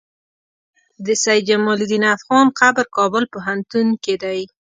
د سيد جمال الدين افغان قبر کابل پوهنتون کی دی